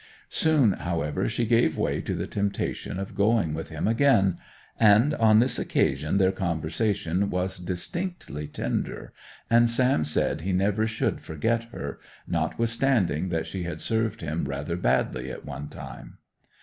Soon, however, she gave way to the temptation of going with him again, and on this occasion their conversation was distinctly tender, and Sam said he never should forget her, notwithstanding that she had served him rather badly at one time.